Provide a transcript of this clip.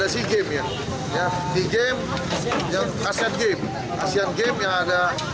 asian game yang ada di jakarta